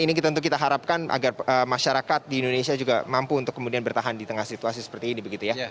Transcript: ini tentu kita harapkan agar masyarakat di indonesia juga mampu untuk kemudian bertahan di tengah situasi seperti ini begitu ya